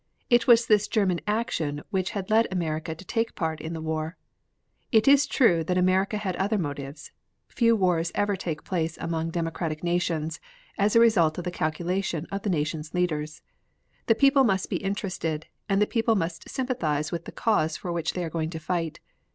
It was this German action which had led America to take part in the war. It is true that America had other motives. Few wars ever take place among democratic nations as a result of the calculation of the nation's leaders. The people must be interested, and the people must sympathize with the cause for which they are going to fight.